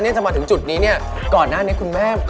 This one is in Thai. รอที่จะมาอัปเดตผลงานแล้วก็เข้าไปโด่งดังไกลถึงประเทศจีน